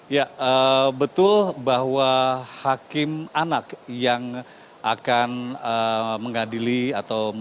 ya betul bahwa hakim anak yang akan mengadili atau